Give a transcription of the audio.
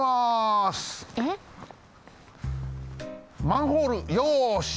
マンホールよし！